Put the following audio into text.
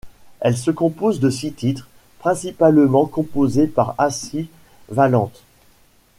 Elle se compose de six titres, principalement composée par Assis Valente.